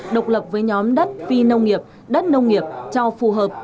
độc lập với nhóm đất phi nông nghiệp đất nông nghiệp cho phù hợp